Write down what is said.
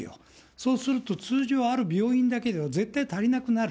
そうすると通常ある病院だけでは絶対足りなくなる。